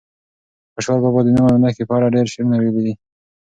خوشحال بابا د نوم او نښې په اړه ډېر شعرونه ویلي دي.